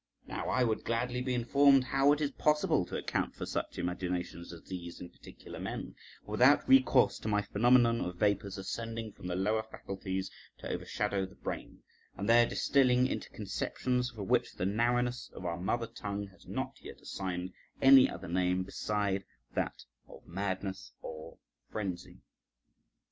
Now I would gladly be informed how it is possible to account for such imaginations as these in particular men, without recourse to my phenomenon of vapours ascending from the lower faculties to overshadow the brain, and there distilling into conceptions, for which the narrowness of our mother tongue has not yet assigned any other name beside that of madness or frenzy.